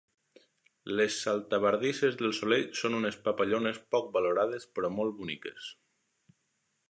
Les saltabardisses de solell són unes papallones poc valorades però molt boniques.